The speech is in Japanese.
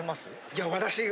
いや私。